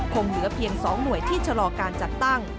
คงเหลือเพียง๒หน่วยที่ชะลอการจัดตั้ง